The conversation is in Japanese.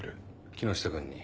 木下君に？